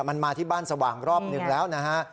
มันมาที่บ้านสว่างรอบหนึ่งแล้วนะฮะ